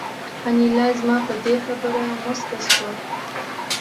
انیلا زما په دې خبره موسکه شوه